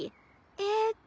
えっと